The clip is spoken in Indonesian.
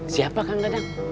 siapa kang dadang